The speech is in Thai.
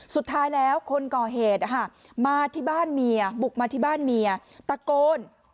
สุดท้ายแล้วคนก่อเหตุมาที่บ้านเมียบุกมาที่บ้านเมียตะโกน